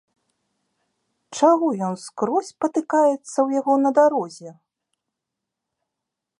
Чаго ён скрозь патыкаецца ў яго на дарозе?